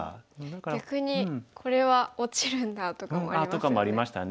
逆に「これは落ちるんだ」とかもありますよね。